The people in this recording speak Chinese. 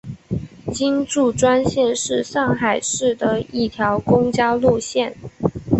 金祝专线是上海市的一条公交路线。